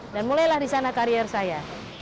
dan mulailah di sana karir saya